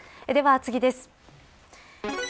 では、次です。